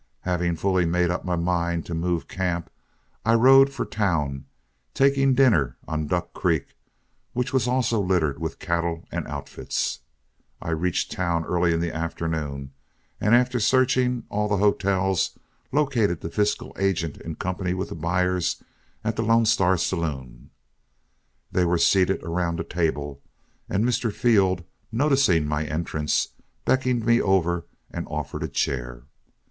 Having fully made up my mind to move camp, I rode for town, taking dinner on Duck Creek, which was also littered with cattle and outfits. I reached town early in the afternoon, and after searching all the hotels, located the fiscal agent in company with the buyers at the Lone Star saloon. They were seated around a table, and Mr. Field, noticing my entrance, beckoned me over and offered a chair.